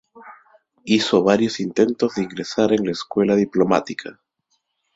Hizo varios intentos de ingresar en la Escuela Diplomática.